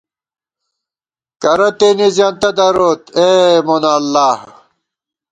کرہ تېنے زېنتہ دروت، اے مونہ اللہ